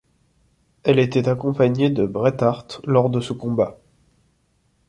Elle était accompagnée de Bret Hart lors de ce combat.